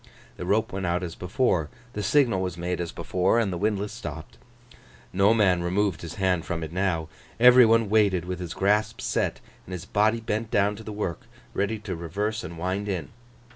The rope went out as before, the signal was made as before, and the windlass stopped. No man removed his hand from it now. Every one waited with his grasp set, and his body bent down to the work, ready to reverse and wind in.